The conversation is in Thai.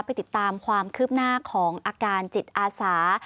ไปติดตามความคืบหน้าของอาการจิตอาสา